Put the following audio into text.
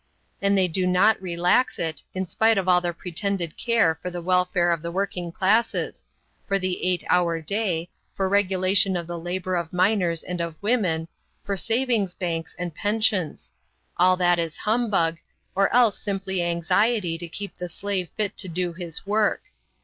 And they do not relax it, in spite of all their pretended care for the welfare of the working classes, for the eight hour day, for regulation of the labor of minors and of women, for savings banks and pensions. All that is humbug, or else simply anxiety to keep the slave fit to do his work.